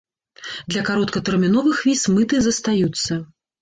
Для кароткатэрміновых віз мыты застаюцца.